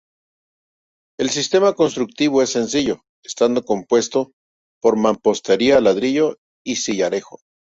El sistema constructivo es sencillo, estando compuesto por mampostería, ladrillo y sillarejo.